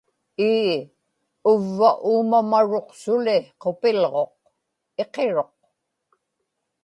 ii, uvva uumamaruq-suli qupilġuq, iqiruq